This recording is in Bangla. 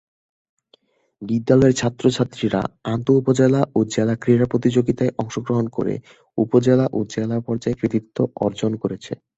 বিদ্যালয়ের ছাত্র-ছাত্রীরা আন্তঃ উপজেলা ও জেলা ক্রীড়া প্রতিযোগীতায় অংশগ্রহণ করে উপজেলা ও জেলা পর্যায়ে কৃতিত্ব অর্জন করছে।